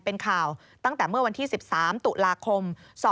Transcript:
เป็นข่าวตั้งแต่เมื่อวันที่๑๓ตุลาคม๒๕๖